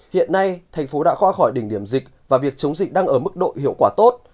hiện nay thành phố đã qua khỏi đỉnh điểm dịch và việc chống dịch đang ở mức độ hiệu quả tốt